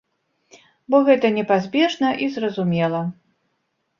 Бо гэта непазбежна і зразумела.